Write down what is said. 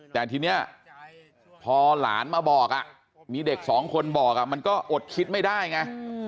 แต่ทีนี้พอหลานมาบอกมีเด็กสองคนบอกมันก็อดคิดไม่ได้ไง